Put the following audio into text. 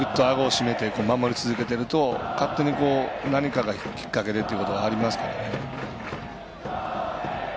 やっぱりグッとあごをしめて守り続けていると勝手に何かがきっかけでということありますからね。